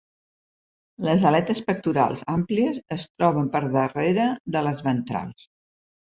Les aletes pectorals, àmplies, es troben per darrere de les ventrals.